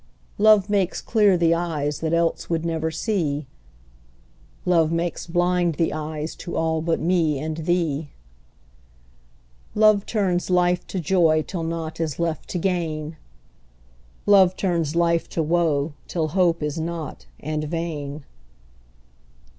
Love makes clear the eyes that else would never see: "Love makes blind the eyes to all but me and thee." Love turns life to joy till nought is left to gain: "Love turns life to woe till hope is nought and vain."